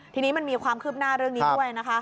ทีนี้มันมีความคืบหน้าเรื่องนี้ด้วยนะคะ